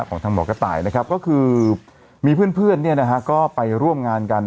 ของทางหมอกระต่ายนะครับก็คือมีเพื่อนเนี่ยนะฮะก็ไปร่วมงานกัน